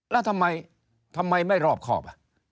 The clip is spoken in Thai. แล้วทำไมทำไมไม่รอบคอบ